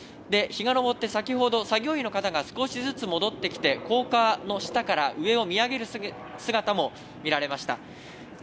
日が昇って、先ほど作業員の方が少しずつ戻ってきて、高架の下から上を見上げる姿も見られました。